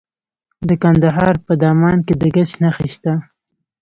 د کندهار په دامان کې د ګچ نښې شته.